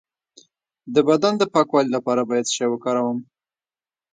د بدن د پاکوالي لپاره باید څه شی وکاروم؟